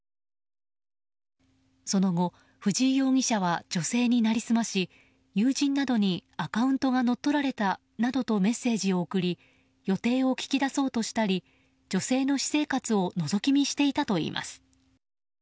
その後、藤井容疑者は女性に成り済まし友人などにアカウントが乗っ取られたなどとメッセージを送り予定を聞き出そうとしたり女性の私生活をのぞき見していたといいます。